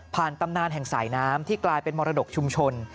ตำนานแห่งสายน้ำที่กลายเป็นมรดกชุมชน